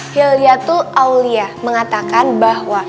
hilyatul auliyah mengatakan bahwa